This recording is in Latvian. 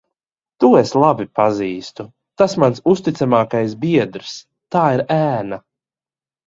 To es labi pazīstu. Tas mans uzticamākais biedrs. Tā ir ēna.